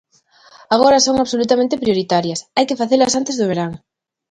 Agora son absolutamente prioritarias, hai que facelas antes do verán.